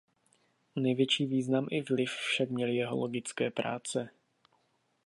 Největší význam i vliv však měly jeho logické práce.